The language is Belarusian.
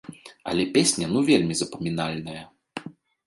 Але песня ну вельмі запамінальная!